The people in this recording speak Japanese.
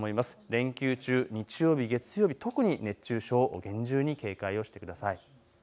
連休中、日曜日、月曜日、特に熱中症、厳重に警戒してください。